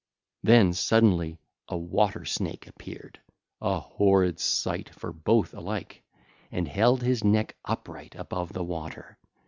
(ll. 82 92) Then suddenly a water snake appeared, a horrid sight for both alike, and held his neck upright above the water.